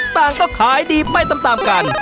ต่างก็ขายดีไปตามกัน